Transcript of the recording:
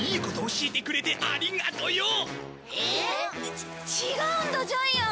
ち違うんだジャイアン。